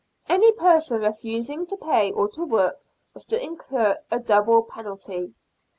Any person refusing to pay or to work was to incur a double penalty.